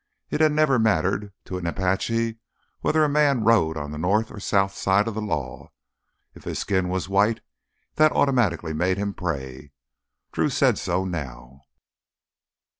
It had never mattered to an Apache whether a man rode on the north or south side of the law—if his skin was white, that automatically made him prey. Drew said so now.